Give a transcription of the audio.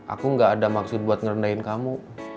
aku gak ada maksud buat ngerendahin kamu